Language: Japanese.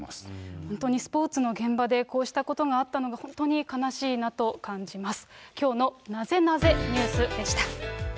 本当にスポーツの現場でこうしたことがあったのが、本当に悲しいなと感じます。